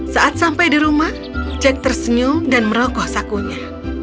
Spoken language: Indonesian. saat sampai di rumah jack tersenyum dan merogoh sakunya